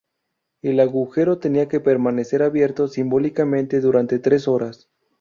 El agujero tenía que permanecer abierto simbólicamente durante tres horas.